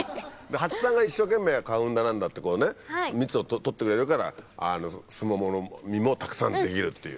蜂さんが一生懸命花粉だ何だって蜜を取ってくれるからスモモの実もたくさん出来るっていう。